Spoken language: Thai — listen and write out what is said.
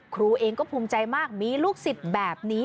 ครูเองก็ภูมิใจมากมีลูกศิษย์แบบนี้